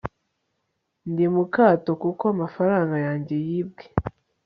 ndi mu kato kuko amafaranga yanjye yibwe